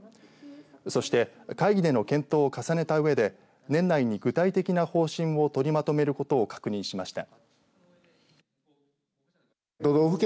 そして会議での検討を重ねたうえで年内に具体的な方針を取りまとめることを確認しました。